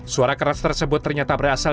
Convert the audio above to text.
suara keras tersebut ternyata berasal